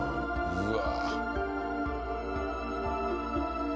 うわ。